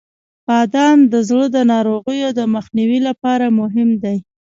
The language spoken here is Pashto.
• بادام د زړه د ناروغیو د مخنیوي لپاره مهم دی.